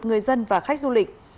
người dân và khách du lịch